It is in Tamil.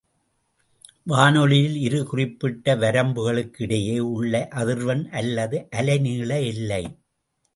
வானொலியில் இரு குறிப்பிட்ட வரம்புகளுக்கிடையே உள்ள அதிர்வெண் அல்லது அலை நீள எல்லை.